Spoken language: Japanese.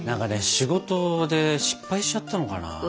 仕事で失敗しちゃったのかな。